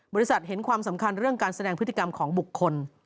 เห็นความสำคัญเรื่องการแสดงพฤติกรรมของบุคคล